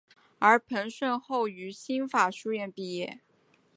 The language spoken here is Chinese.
而彭顺后于新法书院毕业。